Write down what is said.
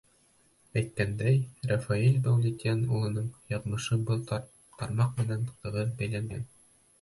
Әйткәндәй, Рафаил Мәүлитйән улының яҙмышы был тармаҡ менән тығыҙ бәйләнгән.